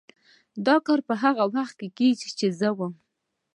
دا کار به هغه وخت کېږي چې زه ومرم.